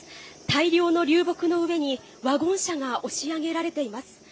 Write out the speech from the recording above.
大量の流木の上にワゴン車が押し上げられています。